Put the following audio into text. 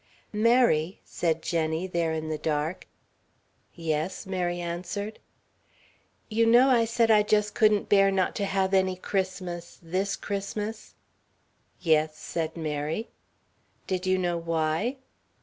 "Mary!" said Jenny, there in the dark. "Yes," Mary answered. "You know I said I just couldn't bear not to have any Christmas this Christmas?" "Yes," Mary said. "Did you know why?"